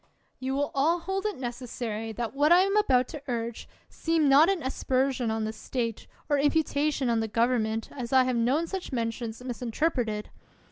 You will all hold it necessary that what I am about to urge seem not an aspersion on the state or imputation on the government, as I have known such mentions misinterpreted.